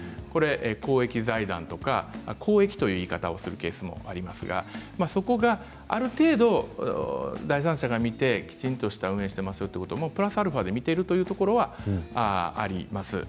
公益財団とか公益という言い方をすることもありますけれどそこはある程度、第三者が見てきちんとした運営をしているということをプラスアルファで見ているということはあります。